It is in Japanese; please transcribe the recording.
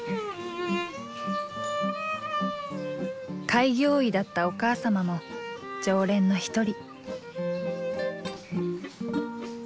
開業医だったお母様も常連の一人。